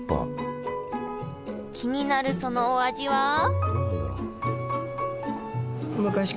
気になるそのお味は？